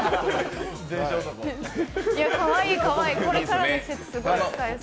かわいいかわいい、これからの季節にすごい使えそう。